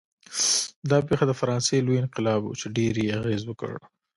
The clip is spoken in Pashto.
دا پېښه د فرانسې لوی انقلاب و چې ډېر یې اغېز وکړ.